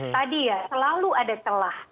tadi ya selalu ada celah